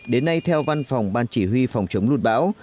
đến nay theo văn phòng ban chỉ huy phòng chống lụt bão